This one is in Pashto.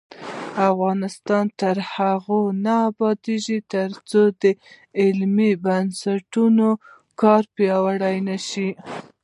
افغانستان تر هغو نه ابادیږي، ترڅو د علمي بنسټونو کار پیاوړی نشي.